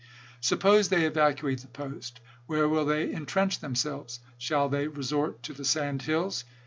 Suppose they evacuate the post, where will they in trench themselves ? Shall they resort to the sand hills